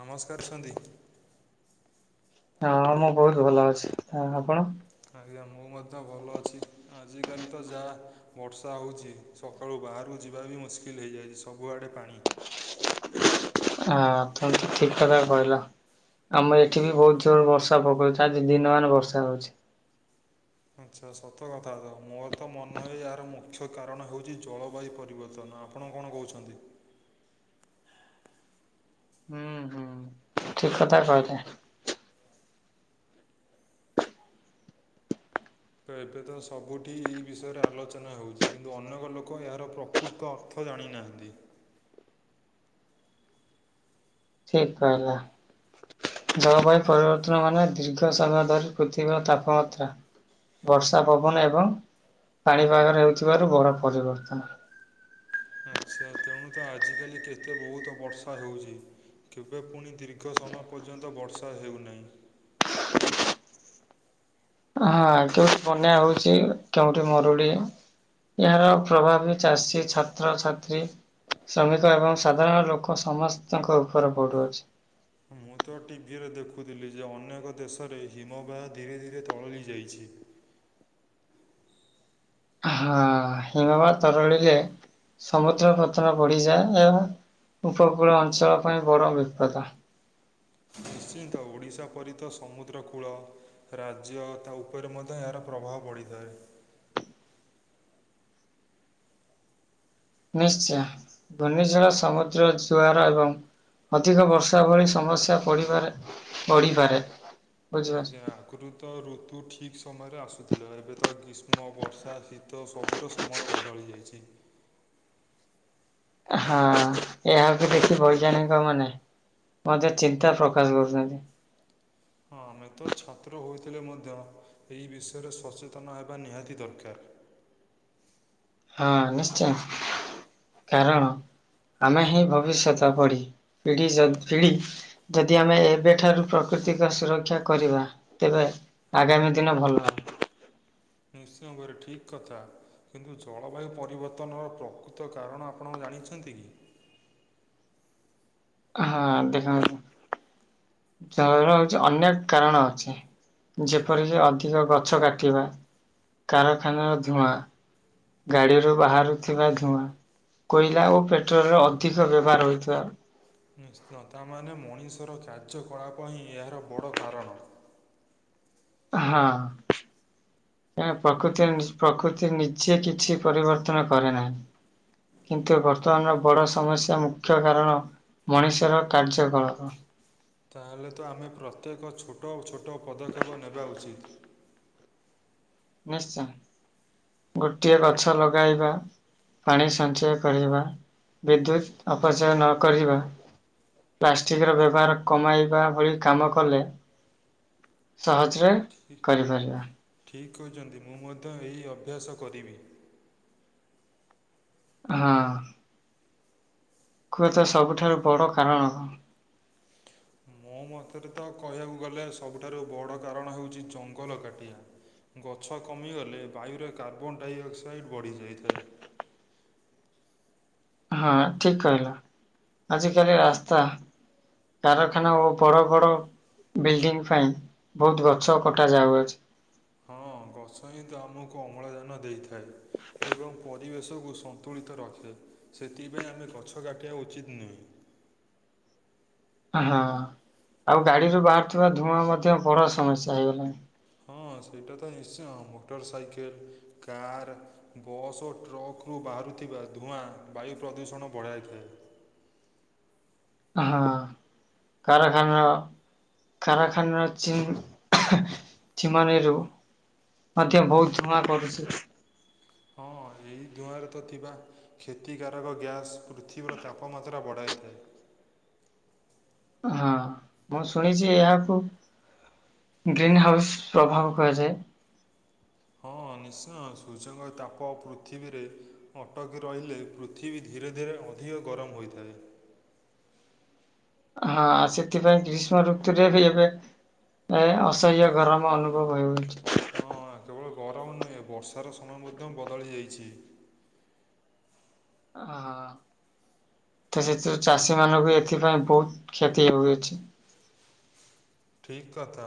ନମସ୍କାର ଅଛନ୍ତି [unintelligible] ହଁ ମୁଁ ବହୁତ ଭଲ ଅଛି ଆପଣ? ଆଜ୍ଞା ମୁଁ ମଧ୍ୟ ଭଲ ଅଛି ଆଜିକାଲି ତ ଯାହା ବର୍ଷା ହେଉଛି। ସକାଳୁ ବାହାରାରୁ ଯିବା ବି ମୁସ୍କିଲ୍ ହୋଇଇଯାଇଛି ସବୁଆଡ଼େ ପାଣି। ହଁ ତମତି ଠିକ କଥା କହିଲ [unintelligible] ଆମର ଏଠି ବି ବହୁତ ୋରୁ ବର୍ଷା ପକାଉଛି ଆଜି ଦିନମାନାନ ବର୍ଷା ହଉଛି। ଆଚ୍ଛା ସତ କଥା ତ ମୋର ତ ମନେ ହ ଏହାର ମୁଖ୍ୟ। ମୁଖ୍ୟ କାରଣ ହେଉଛି ଜଳବାୟୁ ପରିବର୍ତ୍ତନ ଆପଣ କଣ କହୁଛନ୍ତି? ହୁଁ ହୁଁ ଠିକ କଥା କହଥାେ [unintelligible] ତ ଏବେ ତ ସବୁଠି ଏଇ ବିଷୟରେ ଆଲୋଚନା ହେଉଛି କିନ୍ତୁ ଅନେକ ଲୋକ ଏହାର ପ୍ରକୃତ ଅର୍ଥ ଖୋଦଣୀ ନାହନ୍ତି [unintelligible] ଠିକ କହିଲା ଜଳବାୟୁ ପରିବର୍ତ୍ତନ ମାନେ ଦୀର୍ଘ ସମୟ ଧରି ପୃଥିବୀ ଆଉ ତାପମାତ୍ରା। ବର୍ଷା ପବନ ଏବଂ ପାଣିପାଗର ହେଉଥିବାରୁ ବଡ ପରିବର୍ତ୍ତନ। ଆଚ୍ଛା ତେଣୁ ତ ଆଜିକାଲି କେତେ ବହୁତ ବର୍ଷା ହେଉଛି। କେବେ ପୁଣି ଦୀର୍ଘ ସମୟ ପର୍ଯ୍ୟନ୍ତ ବର୍ଷା ହେଉନାହିଁ। ହଁ କେଉଠି ବନ୍ୟା ହଉଛି କେଉଠି ମରୁଡି। ଏହାର ପ୍ରଭାବ ବି ଚାଷୀ ଛାତ୍ରଛାତ୍ରୀ ଶ୍ରମିକ ଏବଂ ସାଧାରଣ ଲୋକ ସମସ୍ତଙ୍କ ଉପରେ ପଡ଼ୁଚି। ମୁଁ ତ ଟିଭିରେ ଦେଖୁଥିଲି ଯେ ଅନେକ ଦେଶରେ ହିମବାହ ଧୀରେ ଧୀରେ ତରଳି ଯାଇଛି। ହଁ ହିମବା ତରଳିଲରେ ସମୁଦ୍ର ପଥନ ବଢ଼ିଯାଏ ଏହା ଉପକୂଳ ଅଞ୍ଚଳ ପାଇଁ ବଡ଼ ବିପଦ। ନିଶ୍ଚିନ୍ତ ଓଡ଼ିଶା ପରି ତ ସମୁଦ୍ରକୂଳ ରାଜ୍ୟ ତା ଉପରେ ମଧ୍ୟ ଏହାର ପ୍ରଭାବ ପଡିଥାଏ। ନିଶ୍ଚୟ ଘୂର୍ଣ୍ନିଝଡ଼ ସମୁଦ୍ର ଜୁଆର ଏବଂ ଅଧିକ ବର୍ଷା ଭଳି ସମସ୍ୟା ପଡିପାରେ ବଢିପାରେ ଆଜ୍ଞା ପ୍ରକୃତ [unintelligible] ତ ଋତୁ ଠିକ ସମୟରେ ଆସୁଥିଲା ଏବେ ତ ଗ୍ରୀଷ୍ମ ବର୍ଷା ଶୀତ ସବୁ ସବୁର ସମୟ ବଦଳି ଯାଇଛି। ହଁ ଏହା କୁ ଦେଖି ବୈଜ୍ଞାନିକ ମାନେ ମଧ୍ୟ ଚିନ୍ତା ପ୍ରକାଶ କରୁଛନ୍ତି। ହଁ ଆମେ ତ ଛାତ୍ର ହୋଇଥିଲେ ମଧ୍ୟ ଏହି ବିଷୟରେ ସଚେତନ ହେବା ନିହାତି ଦରକାର। ହଁ ନିଶ୍ଚୟ କାରଣ ଆମେ ହିଁ ଭବିଷ୍ୟତ ଗଢି ପିଢ଼ି ସହିତ ପିଢ଼ି ଯଦି ଆମେ ଏବେଠାରୁ ପ୍ରକୃତିକ ସୁରକ୍ଷା କରିବା ତେବେ ଆଗାମୀ ଦିନ ଭଲ ହବ। ନିଶ୍ଚୟ ଭାବରେ ଠିକ୍ କଥା। କିନ୍ତୁ ଜଳବାୟୁ ପରିବର୍ତ୍ତନର ପ୍ରକୃତ କାରଣ ଆପଣ ଜାଣିଛନ୍ତି କି? ହଁ ଦେଖନ୍ତୁ ଜଳର ହଉଛି ଅନେକ କାରଣ ଅଛି। ଆଜ୍ଞା ଯେପରିକି ଅଧିକ ଗଛ କାଟିବା କାରଖାନାର ଧୂଆଁ। ଗାଡିରୁ ବାହାରୁଥିବା ଧୂଆଁ। କୋଇଲା ଓ ପେଟ୍ରୋଲର ଅଧିକ ବ୍ୟବହାର ହୋଇଥିବା। ନିଶ୍ଚୟ ତା ମାନେ ମଣିଷର କାର୍ଯ୍ୟକଳାପ ହିଁ ଏହାର ବଡ଼ କାରଣ। ହଁ। କ ପ୍ରକୃତିରେ ପ୍ରକୃତି ନିଜେ କିଛି ପରିବର୍ତ୍ତନ କରେ ନାହିଁ। କିନ୍ତୁ ବର୍ତ୍ତମାନର ବଡ ସମସ୍ୟା ମୁଖ୍ୟ କାରଣ ମଣିଷର କାର୍ଯ୍ୟକଳାପ। ତା ହେଲେ ତ ଆମେ ପ୍ରତ୍ୟେକ ଛୋଟ ଛୋଟ ପଦକ୍ଷେପ ନେବା ଉଚିତ୍। ନିଶ୍ଚୟ ଗୋଟିଏ ଗଛ ଲଗେଇବା। ପାଣି ସଞ୍ଚୟ କରିବା ବିଦ୍ୟୁତ୍ ଅପଚୟ ନ କରିବା। ପ୍ଲାଷ୍ଟିକ୍ରର ବ୍ୟବହାର କମାଇବା ଭଳି କାମ କଲେ। ସହଜରେ ଠି- କରିପାରିବା। ଠିକ୍ କହିଛନ୍ତି ମୁଁ ମଧ୍ୟ ଏହି ଅଭ୍ୟାସ କରିବି। ହଁ। କୁହତ ସବୁଠାରୁ ବଡ଼ କାରଣ କଣ? ମୋ ମତରେ ତ କହିବାକୁ ଗଲେ ସବୁଠାରୁ ବଡ଼ କାରଣ ହେଉଛି ଜଙ୍ଗଲ କାଟିଵା। ଗଛ କମିଗଲେ ବାୟୁରେ କାର୍ବନ ଡାଇଅକ୍ସାଇଡ୍ ବଢ଼ିଯାଇଥାଏ। ହଁ ଠିକ୍‌ କହିଲ ଆଜିିକାଲି ରାସ୍ତା କାରଖାନା ଓ ବଡ ବଡ ବିଲ୍ଡିଂ ପାଇଁ ବହୁତ ଗଛ କଟା ଯାଉଅଛି। ହଁ ଗଛ ହିଁ ତ ଆମକୁ ଅମ୍ଳଜାନ ଦେଇଥାଏ ଏବଂ ପରିବେଶକୁ ସନ୍ତୁଳିତ ରଖେ ସେଥିପାଇଁ ଆମେ ଗଛ କାଟିବା ଉଚିତ୍ ନୁହେଁ। ହଁ ଆଉ ଗାଡିରୁୁ ବାହାରୁଥିବା ଧୂଆଁ ମଧ୍ୟ ବଡ ସମସ୍ୟା ହେଇଗଲାଣି। ହଁ ସେଇଟା ତ ନିଶ୍ଚୟ ମୋଟର ସାଇକେଲ କାର୍ ବସ୍ ଓ ଟ୍ରକ୍‌ ରୁ ବାହାରୁଥିବା ଧୂଆଁ ବାୟୁ ପ୍ରଦୂଷଣ ବଢ଼ାଇଥାଏ। ହଁ କାରଖାନା କାରାଖାନାର ଚିନ୍ ଚୀମାନଇରୁ ମଧ୍ୟ ବହୁତ ଧୂଆଁ କରୁଛି। ହଁ ଏଇ ଧୂଆଁରେ ତ ଥିବା କ୍ଷତିକାରକ ଗ୍ୟାସ୍ ପୃଥିବୀର ତାପମାତ୍ରା ବଢ଼ାଇଥାଏ। ହଁ ମୁଁ ଶୁଣିଛି ଏହାକୁ ଗ୍ରୀନ୍ ହାଉସ ପ୍ରଭାବ କୁହାଯାଏ। ହଁ ନିଶ୍ଚୟ ସୂର୍ଯ୍ୟଙ୍କ ତାପ ପୃଥିବୀରେ ଅଟକି ରହିଲେ ପୃଥିବୀ ଧୀରେ ଧୀରେ ଅଧିକ ଗରମ ହୋଇଥାଏ। ହଁ ସେଥିପାଇଁ ଗ୍ରୀଷ୍ମ ଋତୁରେ ବି ଏବେ ଏ ଅସହ୍ୟ ଗରମ ଅନୁଭବ ହେଉଚି। ହଁ କେବଳ ଗରମ ନୁହେଁ ବର୍ଷାର ସମୟ ମଧ୍ୟ ବଦଳି ଯାଇଚି। ହ ତ ସେଥିରୁ ଚାଷୀ ମାନଙ୍କୁ ଏଥିପାଇଁ ବହୁତ କ୍ଷତି ହୋଇଚି। ଠିକ୍ କଥା।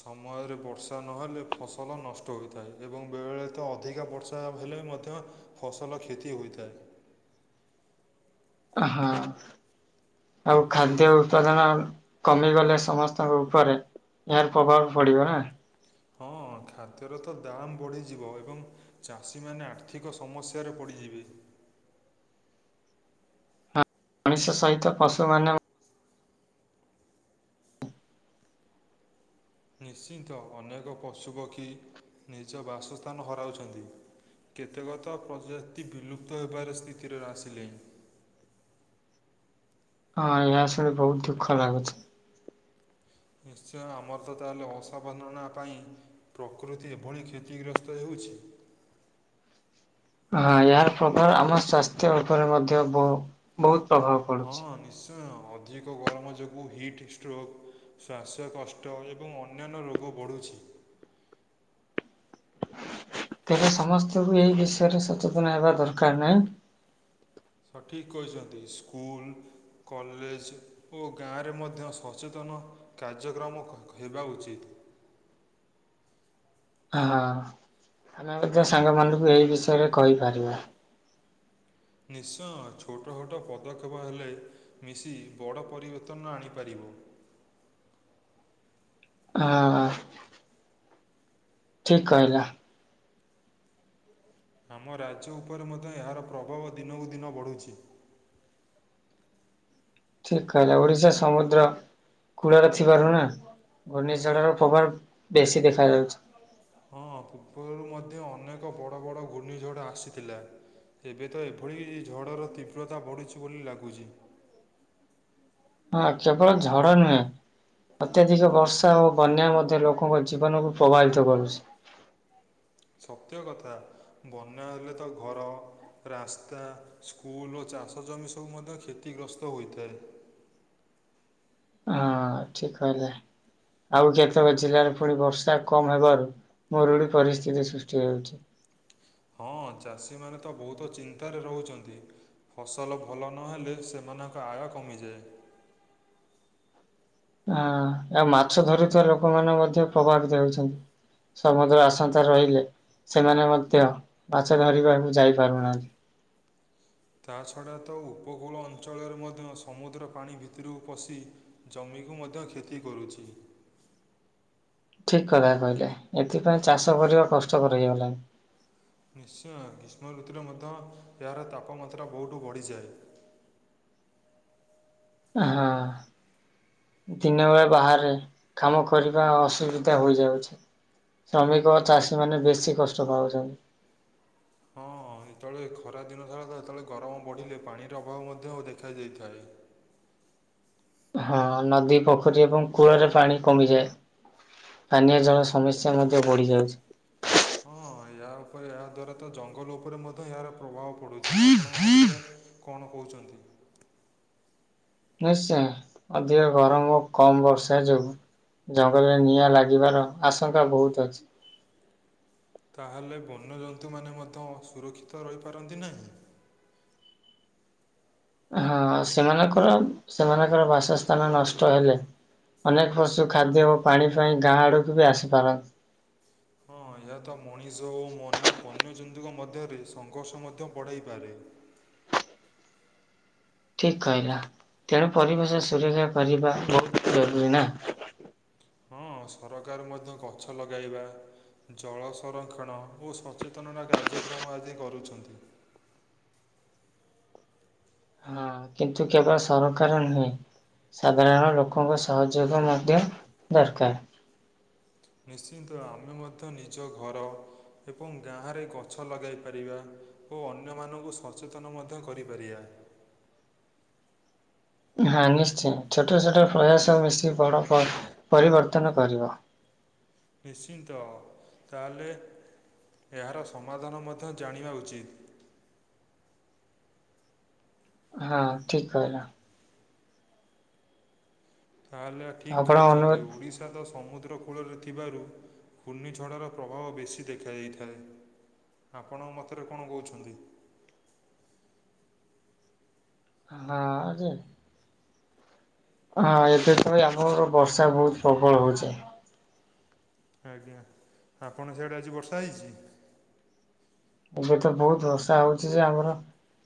ସମୟରେ ବର୍ଷା ନହେଲେ ଫସଲ ନଷ୍ଟ ହୋଇଥାଏ ଏବଂ ବେଳେଳେ ତ ଅଧିକା ବର୍ଷା ବର୍ଷା ହେଲେ ମଧ୍ୟ ଫସଲ କ୍ଷତି ହୋଇଥାଏ। ଆହା। ଆଉ ଖାଦ୍ୟ ଉତ୍ପାଦନ କମିଗଲେ ସମସ୍ତଙ୍କ ଉପରେ ଏହାର ପ୍ରଭାବ ପଡିବ ନା। ହଁ ଖାଦ୍ୟର ତ ଦାମ୍ ବଢ଼ିଯିବ ଏବଂ ଚାଷୀମାନେ ଆର୍ଥିକ ସମସ୍ୟାରେ ପଡିଯିବେ। ଆ ମଣିଷ ସହିତ ପଶୁମାନେ ନିଶ୍ଚିନ୍ତ। ଅନେକ ପଶୁପକ୍ଷୀ ନିଜ ବାସସ୍ଥାନ ହରାଉଚନ୍ତି। କେତେକତ ପ୍ରଜାତି ବିଲୁପ୍ତ ହେବାର ସ୍ଥିତିରେ ଆସିଲେଇଁ। ହଁ ଏହା ଶୁଣି ବହୁତ ଦୁଃଖ ଲାଗୁଚି। ନିଶ୍ଚୟ ଆମର ତ ତାହାଲେ ଅସାବଧାନା ପାଇଁ ପ୍ରକୃତି ଏଭଳି କ୍ଷତିଗ୍ରସ୍ତ ହେଉଚି। ହଁ ଏହାର ପ୍ରଭାବ ଆମ ସ୍ୱାସ୍ଥ୍ୟ ଉପରେ ମଧ୍ୟ ବହୁ ବହୁତ ପ୍ରଭାବ। ହଁ ପଡୁଛି। ନିଶ୍ଚ ଅଧିକ ଗରମ ଯୋଗୁ ହିଟ୍ ଷ୍ଟ୍ରୋକ୍ ଶ୍ୱାସ କଷ୍ଟ ଏବଂ ଅନ୍ୟାନ୍ୟ ରୋଗ ବଢ଼ୁଚି। ତେବେ ସମସ୍ତଙ୍କୁ ଏହି ବିଷୟରେ ସଚେତନ ହେବା ଦରକାର ନାଇଁ। ହଁ ଠିକ୍ କହିଚନ୍ତି ସ୍କୁଲ, କଲେଜ ଓ ଗାଁରେ ମଧ୍ୟ ସଚେତନ କାର୍ଯ୍ୟକ୍ରମ ହେବା ଉଚିତ୍। ହଁ ଆମେ ମଧ୍ୟ ସାଙ୍ଗମାନଙ୍କୁ ଏଇ ବିଷୟରେ କହିପାରିବା। ନିଶ୍ଚୟ ଛୋଟଛୋଟ ପଦକ୍ଷେପ ହେଲେ ମିଶି ବଡ଼ ପରିବେତନ ଆଣିପାରିବ। ହଁ। ଠିକ୍ କହିଲ। ଆମ ରାଜ୍ୟ ଉପରେ ମଧ୍ୟ ଏହାର ପ୍ରଭାବ ଦିନକୁ ଦିନ ବଢ଼ୁଚି। ଠିକ୍ କହିଲ ଓଡ଼ିଶା ସମୁଦ୍ର କୂଳରେ ଥିବାରୁ ନା ଘୁର୍ଣ୍ଣିଝଡର ପ୍ରଭାବ ବେଶୀ ଦେଖାଯାଉଚି। ହଁ ପୂର୍ବରୁ ମଧ୍ୟ ଅନେକ ବଡ଼ ବଡ଼ ଘୂର୍ଣ୍ଣିଝଡ଼ ଆସିଥିଲା। ଏବେ ତ ଏଭଳି ଝଡ଼ର ତୀବ୍ରତା ବଢୁଚି ବୋଲି ଲାଗୁଚି। ହଁ କେବଳ ଝଡ ନୁହେଁ ଅତ୍ୟାଧିକ ବର୍ଷା ଓ ବନ୍ୟା ମଧ୍ୟ ଲୋକଙ୍କ ଜୀବନକୁ ପ୍ରଭାବିତ କରୁଚି। ସତ୍ୟ କଥା ବନ୍ୟା ହେଲେ ତ ଘର ରାସ୍ତା, ସ୍କୁଲ, ଓ ଚାଷ ଜମି ସବୁ ମଧ୍ୟ କ୍ଷତିଗ୍ରସ୍ତ ହୋଇଥାଏ। ହଁ ଠିକ କହିଲେ। ଆଉ କେତେକ ଜିଲ୍ଲାରେ ପୁଣି ବର୍ଷା କମ୍ ହେବାରୁ ମରୁଡି ପରିସ୍ଥିତି ସୃଷ୍ଟି ହୋଉଚି। ହଁ ଚାଷୀମାନେ ତ ବହୁତ ଚିନ୍ତାରେ ରହୁଚନ୍ତି। ଫସଲ ଭଲ ନହେଲେ ସେମାନଙ୍କ ଆୟ କମିଯାଏ। ହଁ ଆଉ ମାଛ ଧରୁଥିବା ଲୋକମାନେମଧ୍ୟ ପ୍ରଭାବିତ ହେଉଚନ୍ତି। ସମୁଦ୍ର ଅସାନ୍ତ ରହିଲେ ସେମାନେ ମଧ୍ୟ ମାଛ ଧରିବାକୁ ଯାଇପାରୁ ନାହାଁନ୍ତି। ତାଛଡ଼ା ତ ଉପକୂଳ ଅଞ୍ଚଳରେ ମଧ୍ୟ ସମୁଦ୍ର ପାଣି ଭିତରକୁ ପଶି ଜମିକୁ ମଧ୍ୟ କ୍ଷତି କରୁଚି। ଠିକ୍ କଥା କହିଲେ ଏଥିପାଇଁ ଚାଷ କରିବା କଷ୍ଟକର ହେଇଗଲାଣି। ନିଶ୍ଚୟ ଗ୍ରୀଷ୍ମ ଋତୁରେ ମଧ୍ୟ ଏହାର ତାପମାତ୍ରା ବହୁଠୁ ବଢ଼ିଯାଏ। ହଁ। ଦିନବେଳେ ବାହାରେ କାମ କରିବା ଅସୁବିଧା ହୋଇଯାଉଛି। ଶ୍ରମିକ ଚାଷୀ ମାନେ ବେଶୀ କଷ୍ଟ ପାଉଛନ୍ତି, ହଁ ଯେତେବେଳେ ଖରା ଦିନ [unintelligible] ଯେତେବେଳେ ଗରମ ବଢ଼ିଲେ ପାଣିର ଅଭାବ ମଧ୍ୟ ଦେଖାାଯାଇଥାଏ, ହଁ ନଦୀ ପୋଖରୀ ଏବଂ କୂଳରେ ପାଣି କମିଯାଏ, ପାନୀୟ ଜଳ ସମସ୍ୟା ମଧ୍ୟ ବଢ଼ି ଯାଉଛି, ହଁ ଏହା ଉପରେ ଏହା ଦ୍ୱାରା ତ ଜଙ୍ଗଲ ଉପରେ ମଧ୍ୟ ଏହାର ପ୍ରଭାବ ପଢ଼ୁଛି ଆପଣଙ୍କ ମତରେ, କଣ କହୁଛନ୍ତି, ନିଶ୍ଚୟ ଅଧିକ ଗରମ ଓ କମ୍ ବର୍ଷା ଯୋଗୁ, ଜଙ୍ଗଲରେ ନିଆଁ ଲାଗିବାର ଆଶଙ୍କା ବହୁତ୍ ଅଛି, ତାହେଲେ ବନ୍ୟଜନ୍ତୁମାନେ ମଧ୍ୟ ଅସୁରକ୍ଷିତ ରହିପାରନ୍ତି ନାହିଁ, ହଁ ସେମାନଙ୍କର-ସେମାନଙ୍କର ବାସସ୍ଥାନ ନଷ୍ଟ ହେଇ ଯାଏ, ଅନେକ ପଶୁ ଖାଦ୍ୟ ଓ ପାଣି ପାଇଁ ଗାଁ ଆଡ଼କୁ ବି ଆସିପାରନ୍ତି, ହଁ ଏହା ତ ମଣିଷ ଅନ୍ୟ ବନ୍ୟଜନ୍ତୁଙ୍କ ମଧ୍ୟରେ ସଂଘର୍ଷ ମଧ୍ୟ ବଢ଼ାଇପାରେ, ଠିକ୍ କହିଲା ତେଣୁ ପରିବେଶ ସୁରକ୍ଷା କରିବା ବହୁତ୍ ଜରୁରୀ ନା? ହଁ ସରକାର ମଧ୍ୟ ଗଛ ଲଗାଇବା, ଜଳ ସଂରକ୍ଷଣ ଓ ସଚେତନତା କାର୍ଯ୍ୟକ୍ରମ ଆଦି କରୁଛନ୍ତି, ହଁ କିନ୍ତୁ କେବଳ ସରକାର ନୁହେଁ, ସାଧାରଣ ଲୋକଙ୍କ ସହଯୋଗ ମଧ୍ୟ ଦରକାର୍, ନିଶ୍ଚିନ୍ତ ଆମେ ମଧ୍ୟ ନିଜ ଘର, ଏବଂ ଗାଁରେ ଗଛ ଲଗାଇ ପାରିବା ଓ ଅନ୍ୟମାନଙ୍କୁ ସଚେତନ ମଧ୍ୟ କରିପାରିବା, ହଁ ନିଶ୍ଚୟ ଛୋଟ-ଛୋଟ ପ୍ରୟାସ ମିଶି ବଡ଼ ପର୍ବ ପରିବର୍ତ୍ତନ କରିବ, ନିଶ୍ଚିନ୍ତ ତାହେଲେ ଏହାର ସମାଧାନ ମଧ୍ୟ ଜାଣିବା ଉଚିତ୍, ହଁ ଠିକ୍ କହିଲ, ତାହେଲେ ଠିକ୍ ଆପଣ କହୁଛନ୍ତି ଅନୁଭୂତି ଓଡ଼ିଶ୍ [unintelligible] ସମୁଦ୍ର କୂଳରେ ଥିବାରୁ ଘୂର୍ଣ୍ଣିଝଡ଼ର ପ୍ରଭାବ ବେଶୀ ଦେଖାଯାଇଥାଏ, ଆପଣ ମତରେ କଣ କହୁଛନ୍ତି? ହାଁ ଯେ, ହଁ ଏବେ ତ ଆମର ବର୍ଷା ବହୁତ୍ ପ୍ରବଳ ହଉଛି, ଆଜ୍ଞା ଆପଣ ସେଆଡ଼େ ଆଜି ବର୍ଷା ହେଇଛି? ଏବେତ ବହୁତ୍ ବର୍ଷା ହଉଛି ଯେ ଆମର,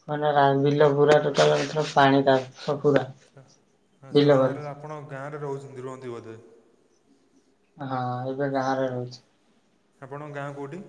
[unintelligible] ବିଲ ଭରି। ହଁ-ହଁ [unintelligible] ଆପଣ ଗାଁରେ ରହୁଛନ୍ତି ରୁହନ୍ତି ବୋଧେ? ହଁ ଏବେ ଗାଁ ରେ ରହୁଛି। ଆପଣଙ୍କ ଗାଁ କୋଉଁଠି?